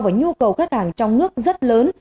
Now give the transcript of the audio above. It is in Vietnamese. và nhu cầu khách hàng trong nước rất lớn